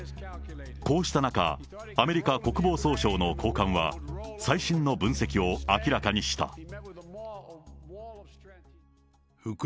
こうした中、アメリカ国防総省の高官は、最新の分析を明らかにした。